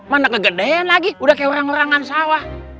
mana kegedean lagi udah kayak orang orangan sawah